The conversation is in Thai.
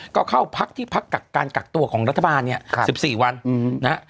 ก็เข้าพักที่พักการกักตัวของรัฐบาลเนี่ย๑๔วันนะฮะ